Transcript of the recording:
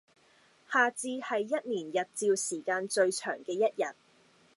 夏至係一年日照時間最長嘅一日